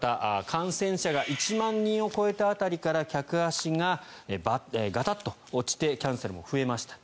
感染者が１万人を超えた辺りから客足がガタッと落ちてキャンセルも増えました。